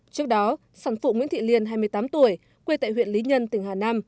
trước đó sản phụ nguyễn thị liên hai mươi tám tuổi quê tại huyện lý nhân tỉnh hà nam